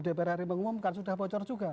dpr ri mengumumkan sudah bocor juga